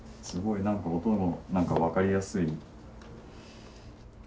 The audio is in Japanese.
すごい何か音の分かりやすい。